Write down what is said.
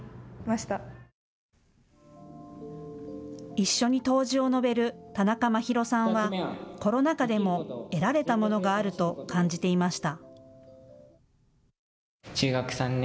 一緒に答辞を述べる田中真拓さんはコロナ禍でも得られたものがあると感じていました。